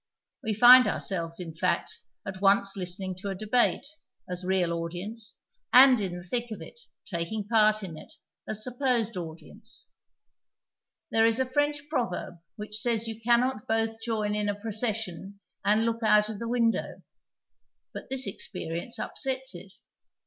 W'r find ourselvi s, in fact, at once listening to a debate, as real audience, and, in the thick of it, taking part in it, as supposed audience. PASTICHK AND PREJUDICE There is a French proverb which says you cannot both join in a ])rocession and look out of the window ; but this experience upsets it.